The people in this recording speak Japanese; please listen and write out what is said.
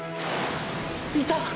いた！！